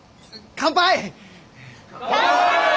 乾杯！